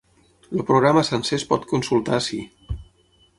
El programa sencer es pot consultar ací.